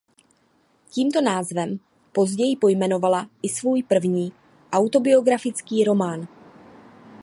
Tímto názvem později pojmenovala i svůj první autobiografický román.